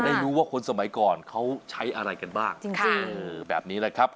ได้รู้ว่าคนสมัยก่อนเขาใช้อะไรกันบ้างจริงแบบนี้แหละครับ